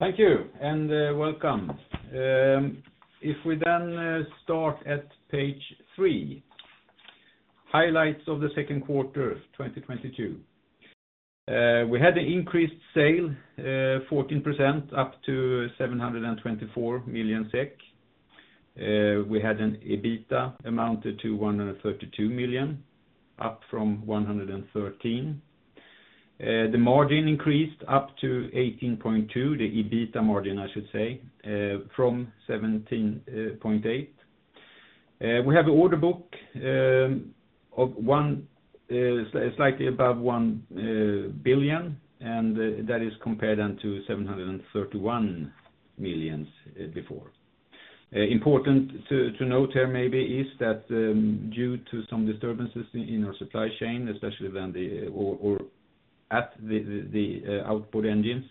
Thank you, welcome. If we start at page three, highlights of the Q2 of 2022. We had an increased sale, 14% up to 724 million SEK. We had an EBITDA amounted to 132 million, up from 113 million. The margin increased up to 18.2%, the EBITDA margin, I should say, from 17.8%. We have an order book of slightly above 1 billion, and that is compared then to 731 million before. Important to note here maybe is that, due to some disturbances in our supply chain, especially the outboard engines,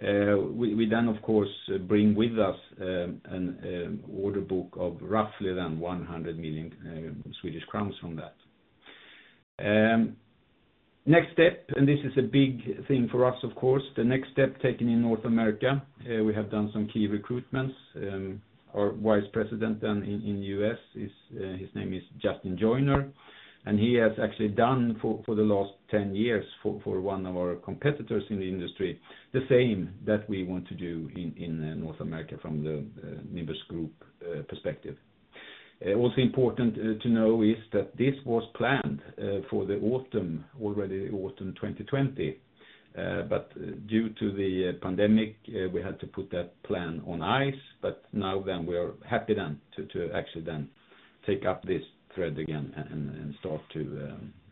we then of course bring with us an order book of roughly 100 million Swedish crowns from that. Next step, this is a big thing for us, of course, the next step taken in North America. We have done some key recruitments. Our Vice President in the U.S. his name is Justin Joyner, and he has actually done for the last 10 years for one of our competitors in the industry, the same that we want to do in North America from the Nimbus Group perspective. Also important to know is that this was planned for the autumn, already autumn 2020. Due to the pandemic, we had to put that plan on ice. Now then we are happy then to actually then take up this thread again and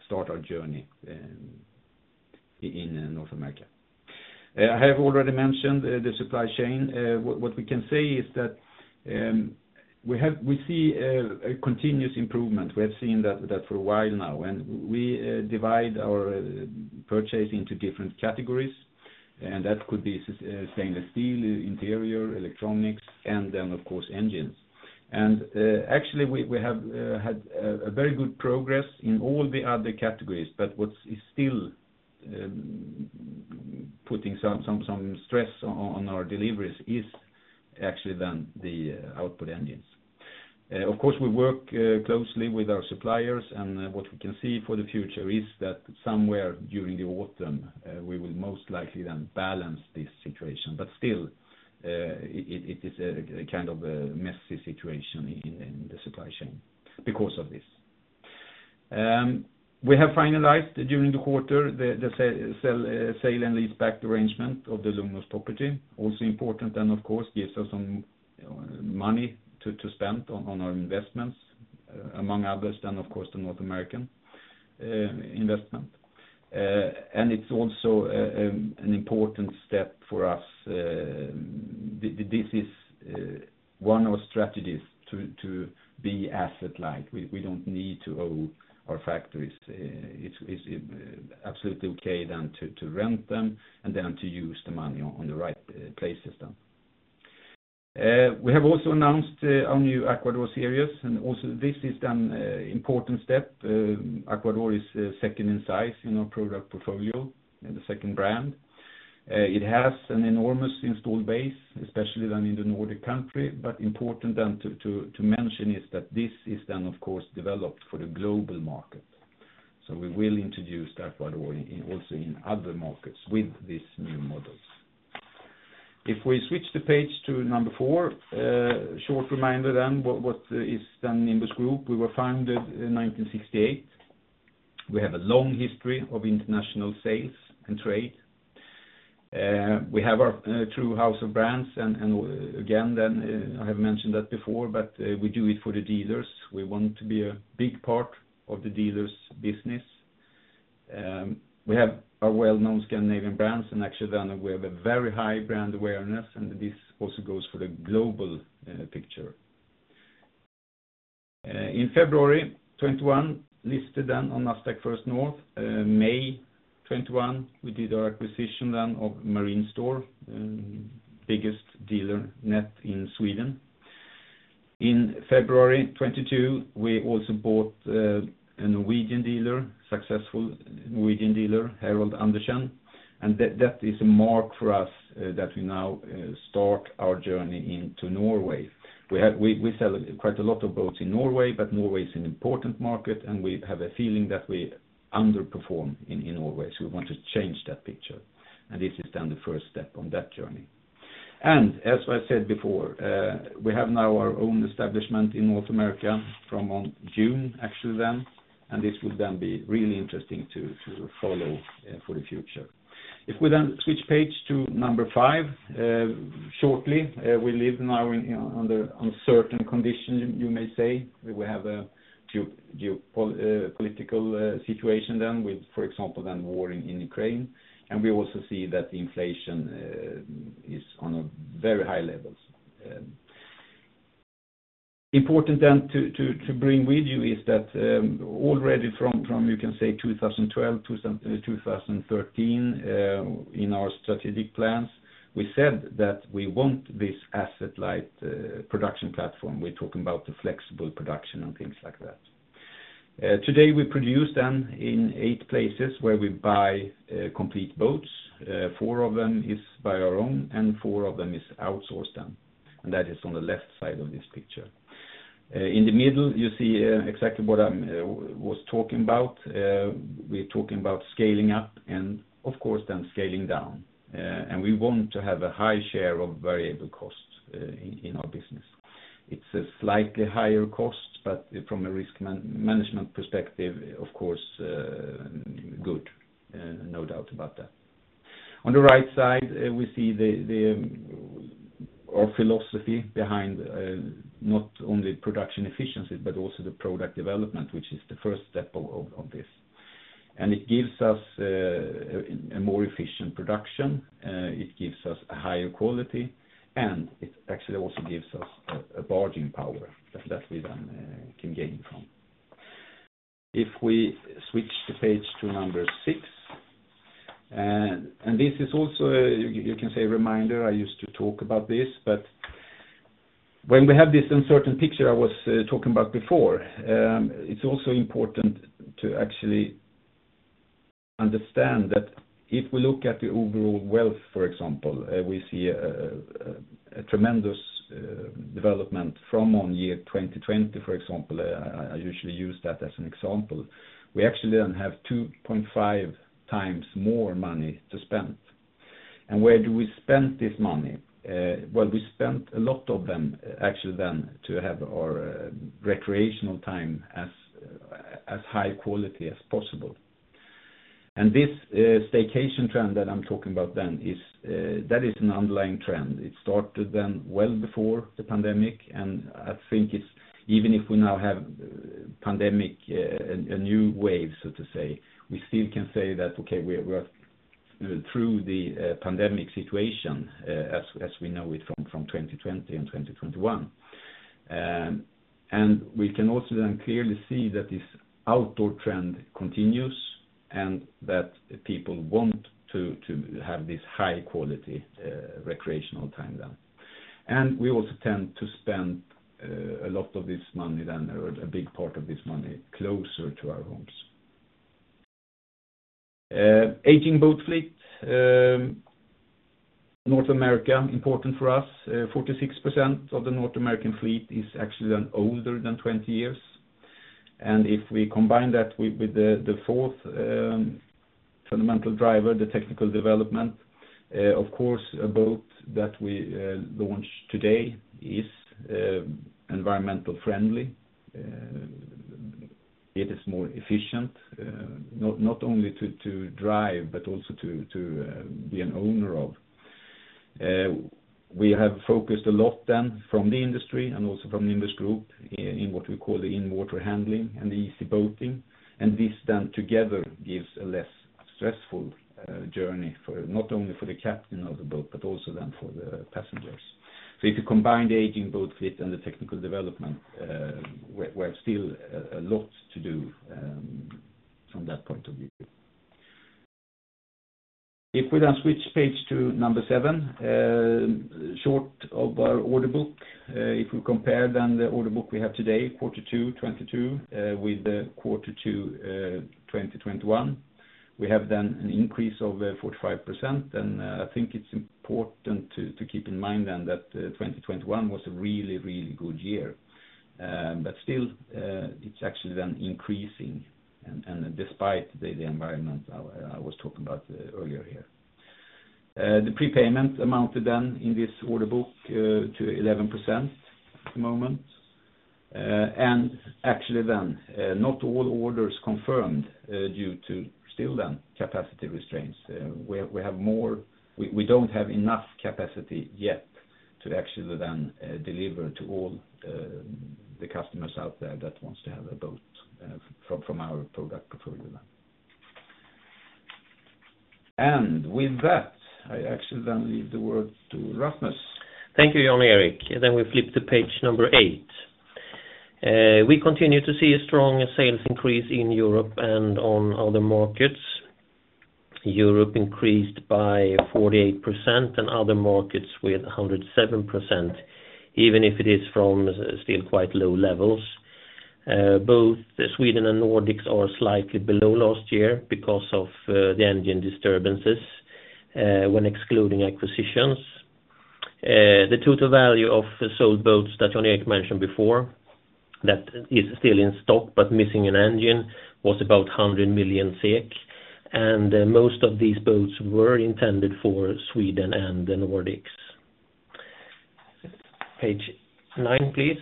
start our journey in North America. I have already mentioned the supply chain. What we can say is that we see a continuous improvement. We have seen that for a while now. We divide our purchasing to different categories, and that could be stainless steel, interior, electronics, and then of course, engines. Actually, we have had a very good progress in all the other categories, but what is still putting some stress on our deliveries is actually the outboard engines. Of course, we work closely with our suppliers, and what we can see for the future is that somewhere during the autumn, we will most likely balance this situation. Still, it is a kind of a messy situation in the supply chain because of this. We have finalized during the quarter the sale and leaseback arrangement of the Lugnås property. Also important, then, of course, gives us some money to spend on our investments, among other things, of course, the North American investment. It's also an important step for us. This is one of our strategies to be asset-light. We don't need to own our factories. It's absolutely okay then to rent them and then to use the money in the right places then. We have also announced our new Aquador series, and also this is an important step. Aquador is second in size in our product portfolio, the second brand. It has an enormous installed base, especially in the Nordic countries. Important to mention is that this is, of course, developed for the global market. We will introduce that Aquador also in other markets with these new models. If we switch the page to number 4, short reminder what is Nimbus Group. We were founded in 1968. We have a long history of international sales and trade. We have our true house of brands. Again, I have mentioned that before, but we do it for the dealers. We want to be a big part of the dealers' business. We have our well-known Scandinavian brands, and actually then we have a very high brand awareness, and this also goes for the global picture. In February 2021, listed then on Nasdaq First North. May 2021, we did our acquisition then of Marine Store, biggest dealer network in Sweden. In February 2022, we also bought a Norwegian dealer, successful Norwegian dealer, Herholdt Andersen. That is a milestone for us, that we now start our journey into Norway. We sell quite a lot of boats in Norway, but Norway is an important market, and we have a feeling that we underperform in Norway, so we want to change that picture. This is then the first step on that journey. As I said before, we have now our own establishment in North America from June, actually then, and this will then be really interesting to follow for the future. If we then switch to page five, shortly, we live now under uncertain conditions, you may say. We have a geopolitical situation then with, for example, then war in Ukraine. We also see that the inflation is on a very high levels. Important then to bring with you is that, already from you can say 2012, 2013, in our strategic plans, we said that we want this asset-light production platform. We're talking about the flexible production and things like that. Today we produce them in eight places where we buy complete boats. Four of them is by our own and four of them is outsourced then, and that is on the left side of this picture. In the middle, you see exactly what I was talking about. We're talking about scaling up and of course then scaling down. We want to have a high share of variable costs in our business. It's a slightly higher cost, but from a risk management perspective, of course, good, no doubt about that. On the right side, we see the philosophy behind not only production efficiency but also the product development, which is the first step of this. It gives us a more efficient production, it gives us a higher quality, and it actually also gives us a bargaining power that we then can gain from. If we switch to page two, number six, and this is also, you can say a reminder, I used to talk about this, but when we have this uncertain picture I was talking about before, it's also important to actually understand that if we look at the overall wealth, for example, we see a tremendous development from 2020, for example, I usually use that as an example. We actually then have 2.5 times more money to spend. Where do we spend this money? We spent a lot of them actually then to have our recreational time as high quality as possible. This staycation trend that I'm talking about then is, that is an underlying trend. It started then well before the pandemic, and I think it's, even if we now have pandemic, a new wave, so to say, we still can say that, okay, we're through the, pandemic situation, as we know it from 2020 and 2021. We can also then clearly see that this outdoor trend continues and that people want to have this high quality, recreational time then. We also tend to spend, a lot of this money then, or a big part of this money closer to our homes. Aging boat fleet, North America, important for us. 46% of the North American fleet is actually then older than 20 years. If we combine that with the fourth fundamental driver, the technical development, of course, a boat that we launch today is environmental friendly, it is more efficient, not only to drive, but also to be an owner of. We have focused a lot then from the industry and also from the industry group in what we call the in-water handling and the easy boating. This then together gives a less stressful journey for not only for the captain of the boat, but also then for the passengers. If you combine the aging boat fleet and the technical development, we have still a lot to do, from that point of view. If we then switch page to number 7, sort of our order book, if we compare then the order book we have today, Q2 2022, with the Q2 2021, we have then an increase of 45%. I think it's important to keep in mind then that 2021 was a really good year. Still, it's actually then increasing, and despite the environment I was talking about earlier here. The prepayment amounted then in this order book to 11% at the moment. Actually then, not all orders confirmed due to still then capacity restraints. We don't have enough capacity yet to actually then deliver to all the customers out there that wants to have a boat from our product portfolio. With that, I actually then leave the word to Rasmus. Thank you, Jan-Erik Lindström. We flip to page 8. We continue to see a strong sales increase in Europe and on other markets. Europe increased by 48% and other markets with 107%, even if it is from still quite low levels. Both Sweden and Nordics are slightly below last year because of the engine disturbances when excluding acquisitions. The total value of sold boats that Jan-Erik Lindström mentioned before that is still in stock but missing an engine was about 100 million SEK, and most of these boats were intended for Sweden and the Nordics. Page nine, please.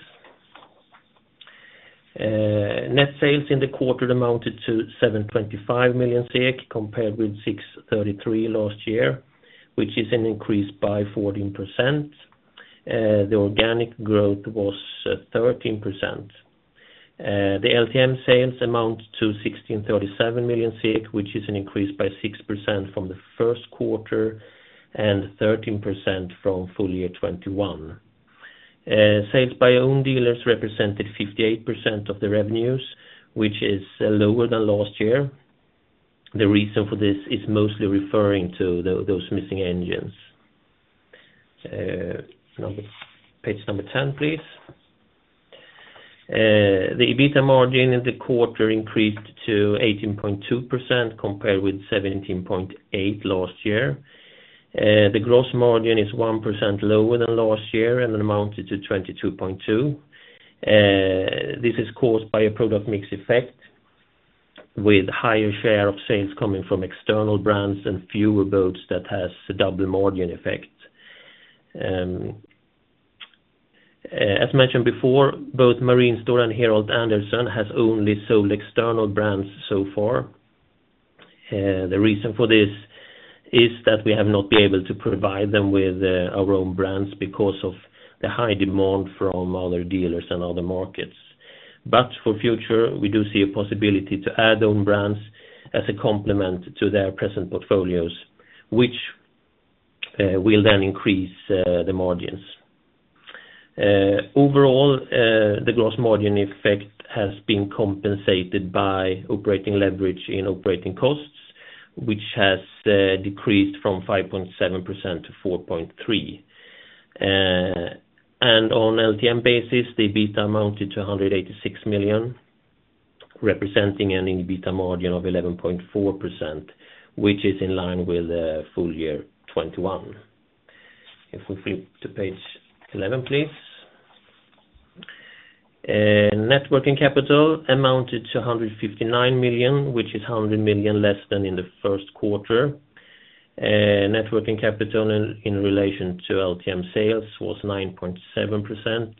Net sales in the quarter amounted to 725 million compared with 633 million last year, which is an increase by 14%. The organic growth was 13%. The LTM sales amount to 1,637 million SEK, which is an increase by 6% from the Q1 and 13% from full year 2021. Sales by own dealers represented 58% of the revenues, which is lower than last year. The reason for this is mostly referring to those missing engines. Page number 10, please. The EBITDA margin in the quarter increased to 18.2% compared with 17.8% last year. The gross margin is 1% lower than last year and amounted to 22.2%. This is caused by a product mix effect with higher share of sales coming from external brands and fewer boats that has double margin effects. As mentioned before, both Marine Store and Herholdt Andersen has only sold external brands so far. The reason for this is that we have not been able to provide them with our own brands because of the high demand from other dealers and other markets. For future, we do see a possibility to add own brands as a complement to their present portfolios, which will then increase the margins. Overall, the gross margin effect has been compensated by operating leverage in operating costs, which has decreased from 5.7% to 4.3%. On LTM basis, the EBITDA amounted to 186 million, representing an EBITDA margin of 11.4%, which is in line with full year 2021. If we flip to page 11, please. Net working capital amounted to 159 million, which is 100 million less than in the Q1. Net working capital in relation to LTM sales was 9.7%,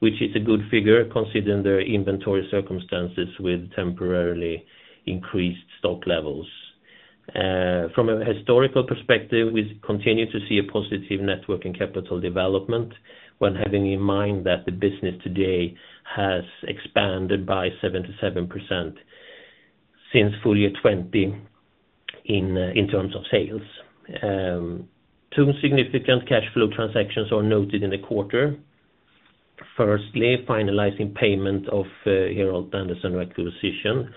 which is a good figure considering their inventory circumstances with temporarily increased stock levels. From a historical perspective, we continue to see a positive net working capital development when having in mind that the business today has expanded by 77% since full year 2020 in terms of sales. Two significant cash flow transactions are noted in the quarter. Firstly, finalizing payment of Herholdt Andersen acquisition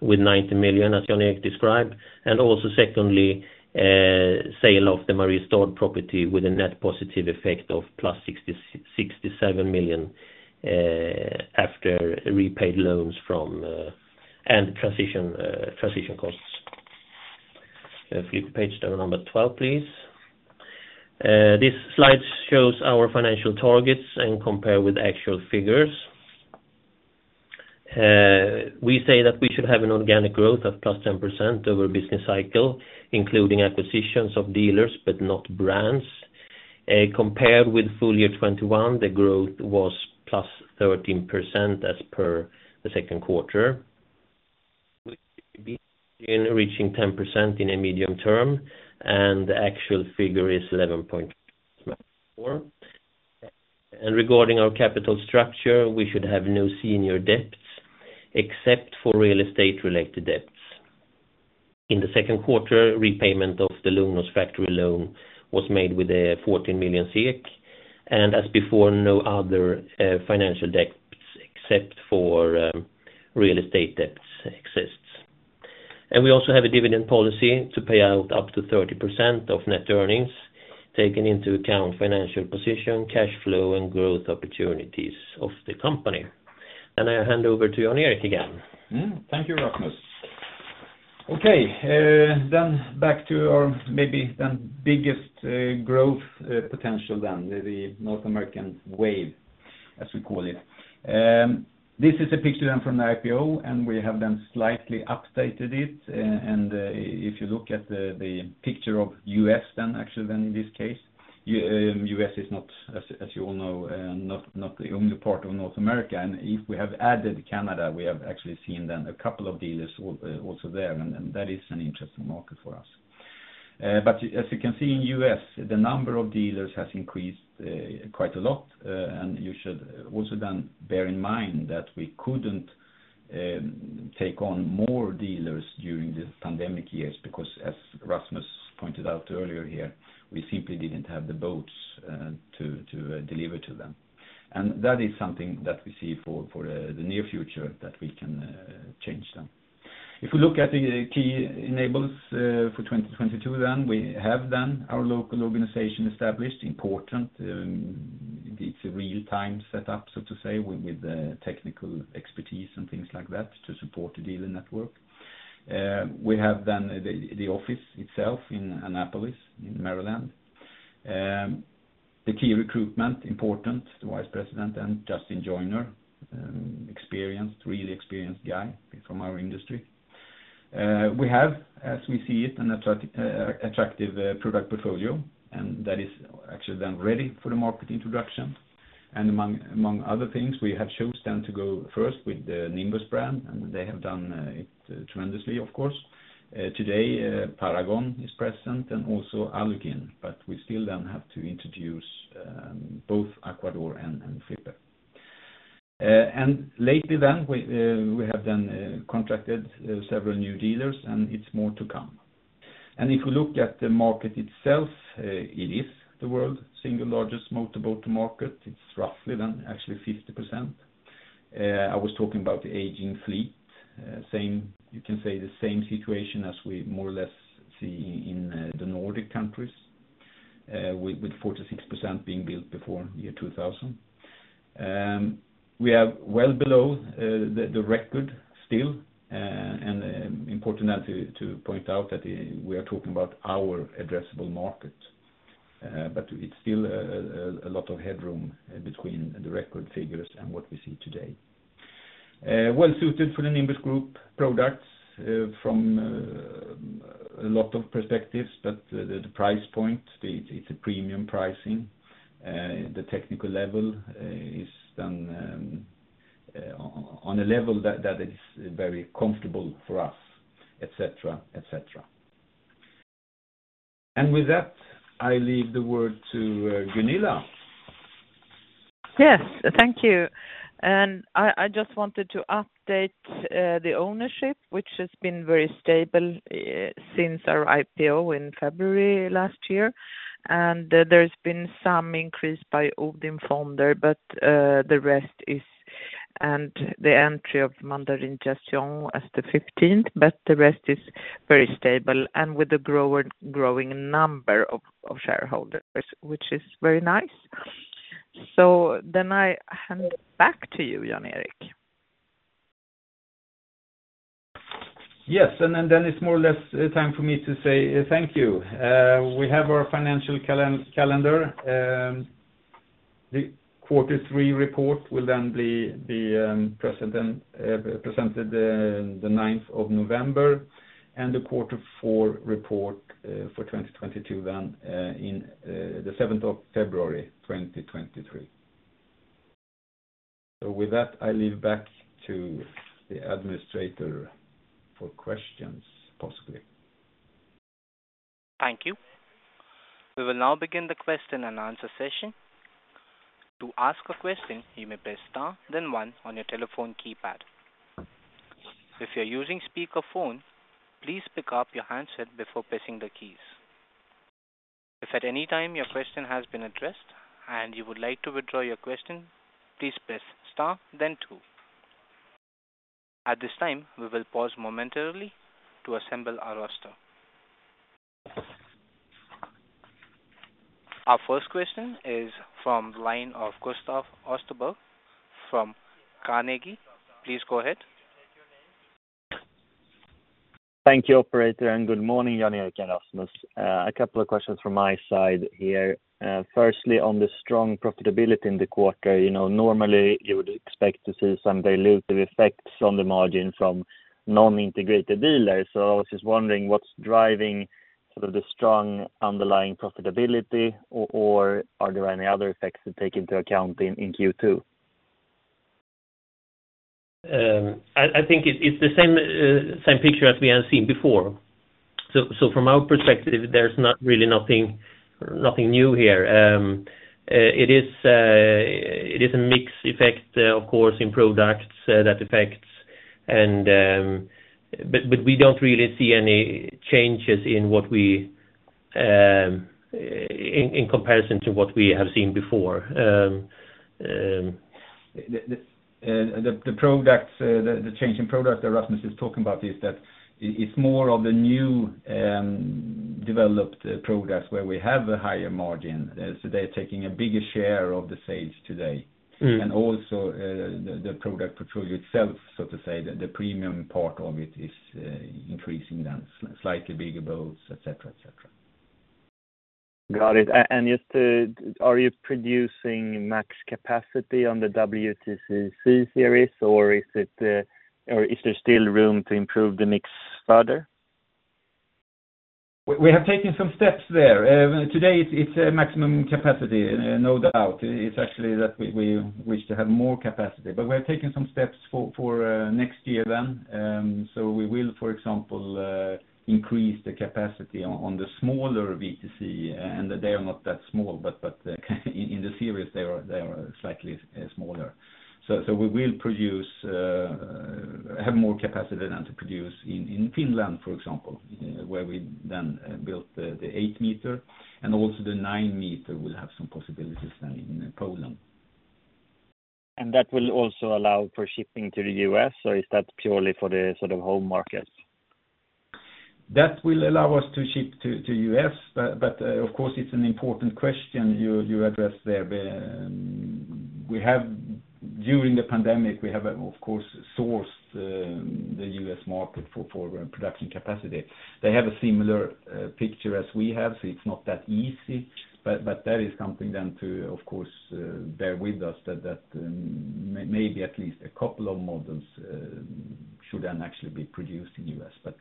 with 90 million, as Jan-Erik Lindström described. Secondly, sale of the Mariehamn property with a net positive effect of +67 million after repaid loans and transition costs. If we flip to page 12, please. This slide shows our financial targets and comparison with actual figures. We say that we should have an organic growth of plus 10% over business cycle, including acquisitions of dealers but not brands. Compared with full year 2021, the growth was plus 13% as per the Q2. With EBITDA margin reaching 10% in a medium term, and the actual figure is 11.4%. Regarding our capital structure, we should have no senior debts except for real estate-related debts. In the Q2, repayment of the Lugnås factory loan was made with 14 million SEK, and as before, no other financial debts except for real estate debts exists. We also have a dividend policy to pay out up to 30% of net earnings taken into account financial position, cash flow, and growth opportunities of the company. I hand over to Jan-Erik Lindström again. Thank you, Rasmus. Okay. Then back to our maybe biggest growth potential, the North American wave, as we call it. This is a picture from the IPO, and we have slightly updated it. If you look at the picture of U.S., actually in this case, U.S. is not, as you all know, the only part of North America. If we have added Canada, we have actually seen a couple of dealers also there, and that is an interesting market for us. But as you can see in U.S., the number of dealers has increased quite a lot. You should also then bear in mind that we couldn't take on more dealers during the pandemic years because as Rasmus pointed out earlier here, we simply didn't have the boats to deliver to them. That is something that we see for the near future that we can change then. If we look at the key enablers for 2022 then, we have then our local organization established, important. It's a real-time set up, so to say, with the technical expertise and things like that to support the dealer network. We have then the office itself in Annapolis, in Maryland. The key recruitment, important. The Vice President, Justin Joyner, experienced, really experienced guy from our industry. We have, as we see it, an attractive product portfolio, and that is actually then ready for the market introduction. Among other things, we have chose then to go first with the Nimbus brand, and they have done it tremendously, of course. Today, Paragon is present and also Alukin, but we still then have to introduce both Aquador and Flipper. Lately then, we have then contracted several new dealers, and it's more to come. If you look at the market itself, it is the world's single largest motorboat market. It's roughly then actually 50%. I was talking about the aging fleet. Same, you can say the same situation as we more or less see in the Nordic countries with 46% being built before the year 2000. We are well below the record still, and important now to point out that we are talking about our addressable market. But it's still a lot of headroom between the record figures and what we see today. Well-suited for the Nimbus Group products from a lot of perspectives, but the price point, it's a premium pricing. The technical level is then on a level that is very comfortable for us, et cetera. With that, I leave the word to Gunilla. Yes. Thank you. I just wanted to update the ownership, which has been very stable since our IPO in February last year. There's been some increase by Odin Fonder, but the entry of Mandarine Gestion as the fifteenth, but the rest is very stable and with a growing number of shareholders, which is very nice. I hand it back to you, Jan-Erik. Yes. Then it's more or less time for me to say thank you. We have our financial calendar. The Q3 report will then be presented the ninth of November and the Q4 report for 2022 then in the seventh of February 2023. With that, I leave back to the administrator for questions, possibly. Thank you. We will now begin the question and answer session. To ask a question, you may press star then one on your telephone keypad. If you're using speakerphone, please pick up your handset before pressing the keys. If at any time your question has been addressed and you would like to withdraw your question, please press star then two. At this time, we will pause momentarily to assemble our roster. Our first question is from the line of Gustaf Östberg from Carnegie. Please go ahead. Thank you, operator, and good morning, Jan-Erik and Rasmus. A couple of questions from my side here. Firstly, on the strong profitability in the quarter, you know, normally you would expect to see some dilutive effects on the margin from non-integrated dealers. I was just wondering what's driving sort of the strong underlying profitability or are there any other effects to take into account in Q2? I think it's the same picture as we have seen before. From our perspective, there's not really nothing new here. It is a mix effect, of course, in products, that affects. But we don't really see any changes in what we in comparison to what we have seen before. The change in product that Rasmus is talking about is that it's more of the new developed products where we have a higher margin. They're taking a bigger share of the sales today. Mm. Also, the product portfolio itself, so to say, the premium part of it is increasing then, slightly bigger boats, et cetera, et cetera. Got it. Just, are you producing max capacity on the WTC series, or is it, or is there still room to improve the mix further? We have taken some steps there. Today it's maximum capacity, no doubt. It's actually that we wish to have more capacity, but we're taking some steps for next year then. We will, for example, increase the capacity on the smaller WTC, and they are not that small, but in the series they are slightly smaller. We will have more capacity to produce in Finland, for example, where we then build the 8-meter, and also the 9-meter will have some possibilities then in Poland. that will also allow for shipping to the U.S., or is that purely for the sort of home markets? That will allow us to ship to U.S., but of course it's an important question you address there. During the pandemic, we have, of course, sourced the U.S. market for production capacity. They have a similar picture as we have, so it's not that easy. That is something then to, of course, bear with us that maybe at least a couple of models should then actually be produced in U.S.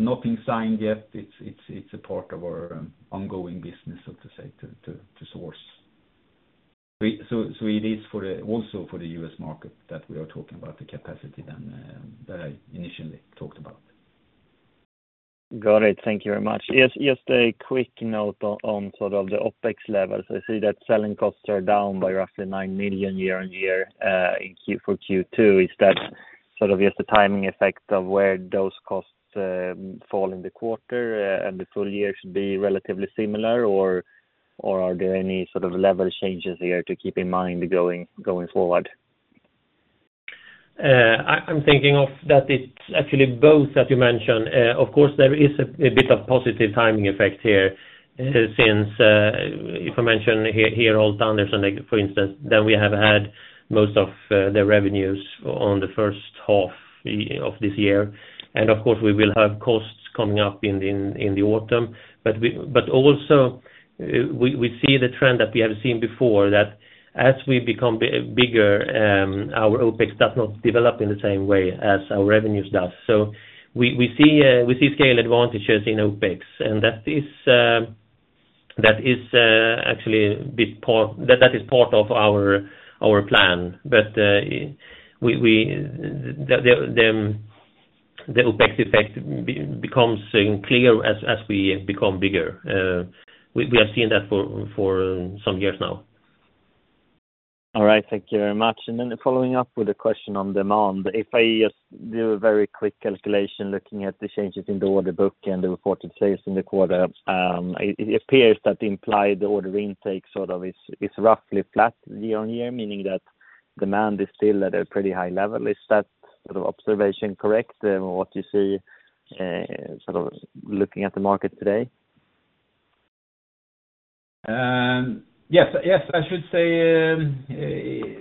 Nothing signed yet. It's a part of our ongoing business, so to say, to source. It is also for the U.S. market that we are talking about the capacity then that I initially talked about. Got it. Thank you very much. Yes, just a quick note on sort of the OPEX levels. I see that selling costs are down by roughly 9 million year-over-year in Q2. Is that sort of just the timing effect of where those costs fall in the quarter, and the full year should be relatively similar or are there any sort of level changes there to keep in mind going forward? I'm thinking of that it's actually both that you mentioned. Of course, there is a bit of positive timing effect here since if I mention here old standards and like for instance, that we have had most of the revenues on the H1 of this year. Of course, we will have costs coming up in the autumn. We see the trend that we have seen before, that as we become bigger, our OPEX does not develop in the same way as our revenues does. We see scale advantages in OPEX. That is actually part of our plan. The OPEX effect becomes even clear as we become bigger. We have seen that for some years now. All right. Thank you very much. Following up with a question on demand. If I just do a very quick calculation looking at the changes in the order book and the reported sales in the quarter, it appears that implied the order intake sort of is roughly flat year-on-year, meaning that demand is still at a pretty high level. Is that sort of observation correct, what you see sort of looking at the market today? Yes. Yes, I should say,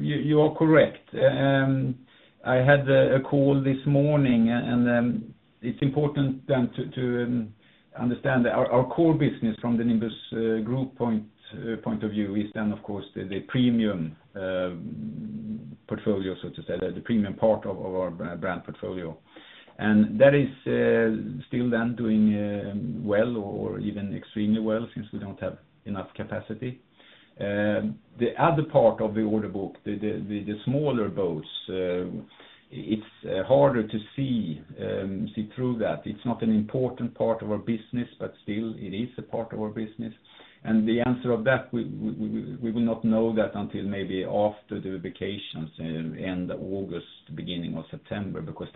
you are correct. I had a call this morning, and then it's important to understand that our core business from the Nimbus Group point of view is then of course the premium portfolio, so to say, the premium part of our brand portfolio. That is still then doing well or even extremely well since we don't have enough capacity. The other part of the order book, the smaller boats, it's harder to see through that. It's not an important part of our business, but still it is a part of our business. The answer to that we will not know until maybe after the vacations at the end of August, beginning of September, because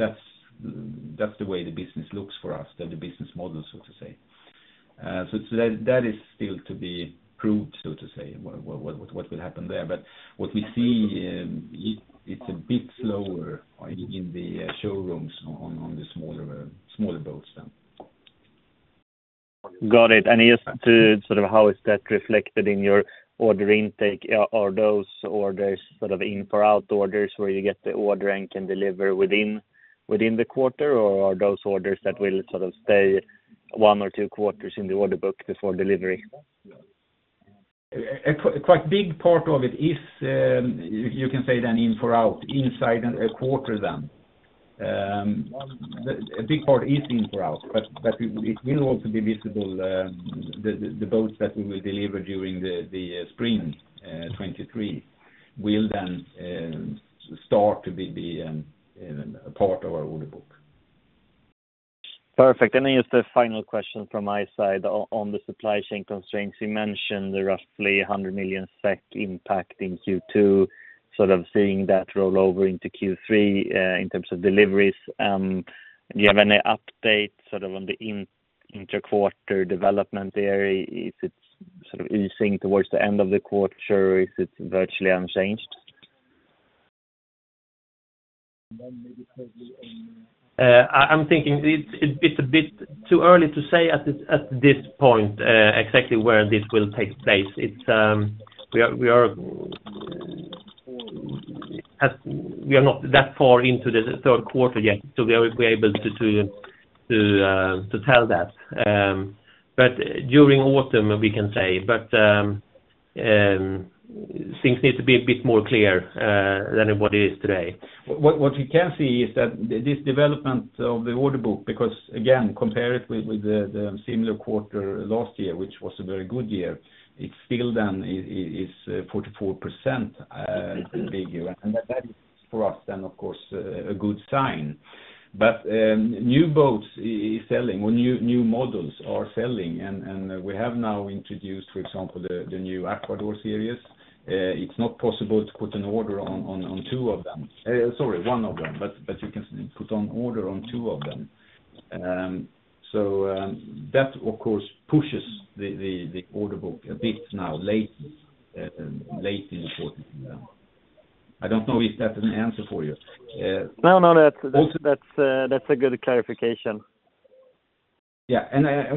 that's the way the business looks for us, the business model, so to say. That is still to be proved, so to say, what will happen there. What we see, it's a bit slower in the showrooms on the smaller boats than. Got it. Just to sort of how is that reflected in your order intake, are those orders sort of in for out orders where you get the order and can deliver within the quarter, or are those orders that will sort of stay one or Q2 in the order book before delivery? As a quite big part of it is, you can say then inventory inside a quarter then. A big part is inventory, but it will also be visible, the boats that we will deliver during the spring 2023 will then start to be a part of our order book. Perfect. Just a final question from my side on the supply chain constraints. You mentioned the roughly 100 million SEK impact in Q2, sort of seeing that roll over into Q3, in terms of deliveries. Do you have any update sort of on the intra-quarter development there? Is it sort of easing towards the end of the quarter? Is it virtually unchanged? I'm thinking it's a bit too early to say at this point exactly where this will take place. We are not that far into the Q3 yet to be able to tell that. During autumn, we can say. Things need to be a bit more clear than what it is today. What we can see is that this development of the order book, because again, compare it with the similar quarter last year, which was a very good year, it's still then is 44% bigger. That is for us then of course a good sign. New boats is selling or new models are selling and we have now introduced, for example, the new Aquador series. It's not possible to put an order on two of them. Sorry, one of them, but you can put an order on two of them. That of course pushes the order book a bit now late in the quarter. Yeah. I don't know if that's an answer for you. No, no, that's a good clarification. Yeah.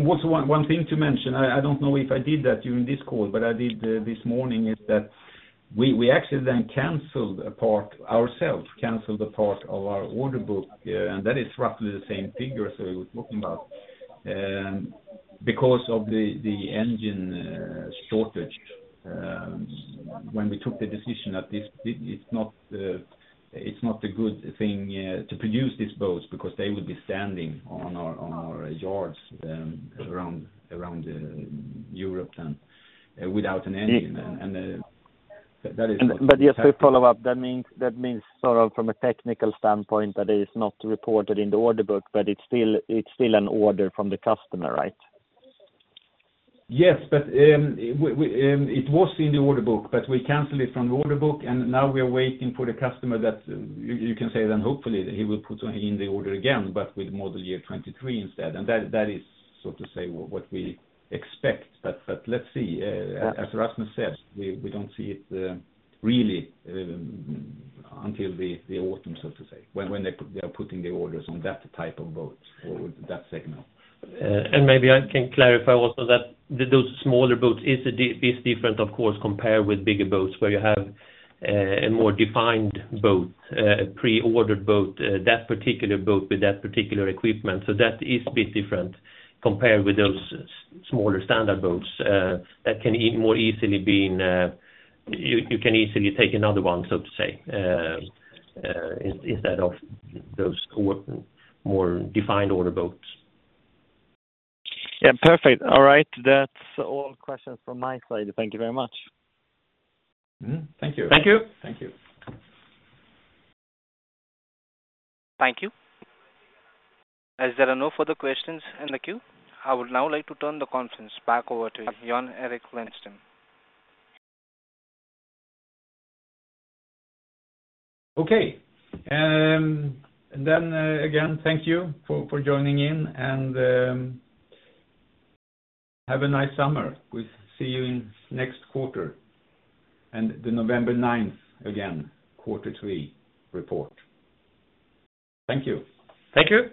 What's one thing to mention? I don't know if I did that during this call, but I did this morning, is that we actually then canceled a part of our order book, and that is roughly the same figure as we were talking about, because of the engine shortage, when we took the decision that it's not a good thing to produce these boats because they would be standing on our yards around Europe then, without an engine. That is not- Just to follow up, that means sort of from a technical standpoint that is not reported in the order book, but it's still an order from the customer, right? Yes, it was in the order book, but we canceled it from the order book, and now we are waiting for the customer that you can say then hopefully he will put in the order again, but with model year 2023 instead. That is so to say what we expect. Let's see. As Rasmus said, we don't see it really until the autumn, so to say, when they are putting the orders on that type of boats or that signal. Maybe I can clarify also that those smaller boats is different of course compared with bigger boats where you have a more defined boat, a pre-ordered boat, that particular boat with that particular equipment. That is a bit different compared with those smaller standard boats that can more easily be, you can easily take another one, so to say, instead of those more defined order boats. Yeah. Perfect. All right. That's all questions from my side. Thank you very much. Mm-hmm. Thank you. Thank you. Thank you. Thank you. As there are no further questions in the queue, I would now like to turn the conference back over to Jan-Erik Lindström. Okay. Again, thank you for joining in, and have a nice summer. We'll see you next quarter and the 9 November again, Q3 report. Thank you. Thank you.